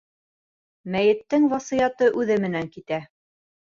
Мәйеттең васыяты үҙе менән китә.